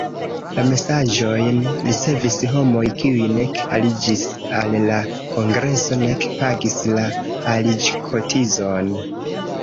La mesaĝojn ricevis homoj, kiuj nek aliĝis al la kongreso nek pagis la aliĝkotizon.